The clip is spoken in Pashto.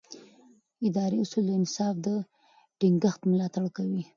اداري اصول د انصاف د ټینګښت ملاتړ کوي.